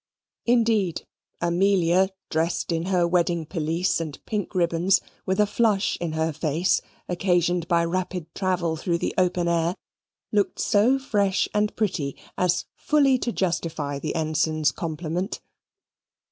Indeed, Amelia dressed in her wedding pelisse and pink ribbons, with a flush in her face, occasioned by rapid travel through the open air, looked so fresh and pretty, as fully to justify the Ensign's compliment.